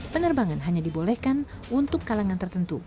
penerbangan hanya dibolehkan untuk kalangan tertentu